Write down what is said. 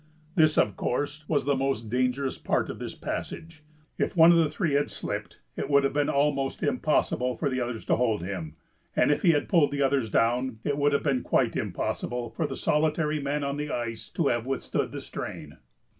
This, of course, was the most dangerous part of this passage. If one of the three had slipped it would have been almost impossible for the others to hold him, and if he had pulled the others down, it would have been quite impossible for the solitary man on the ice to have withstood the strain.